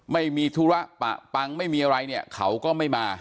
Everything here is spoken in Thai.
ไม่มีธุระปะปังไม่มีอะไรเนี่ยเขาก็ไม่มา